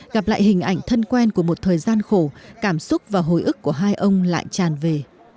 gặp lại hình ảnh thân quen của một thời gian khổ cảm xúc và hồi ức của hai ông lại tràn về